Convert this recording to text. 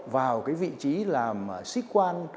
vào cái vị trí làm sĩ quan